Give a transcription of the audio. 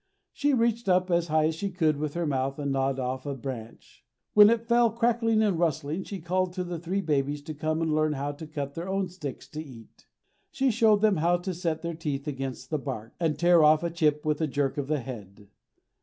She reached up as high as she could with her mouth and gnawed off a branch. When it fell crackling and rustling she called the three babies to come and learn how to cut their own sticks to eat. She showed them how to set their teeth against the bark, and tear off a chip with a jerk of the head.